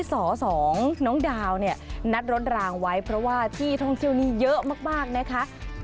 สอสองน้องดาวเนี่ยนัดรถรางไว้เพราะว่าที่ท่องเที่ยวนี้เยอะมากนะคะ